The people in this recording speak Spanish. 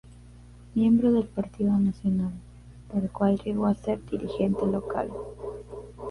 Miembro del Partido Nacional, del cual llegó a ser dirigente local.